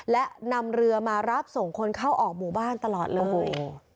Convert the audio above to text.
และนำเรือมารับส่งคนเข้าออกหมู่บ้านตลอดเลย